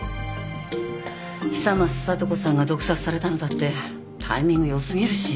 久松聡子さんが毒殺されたのだってタイミング良過ぎるし。